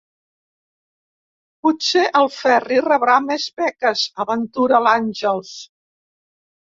Potser el Ferri rebrà més beques –aventura l'Àngels.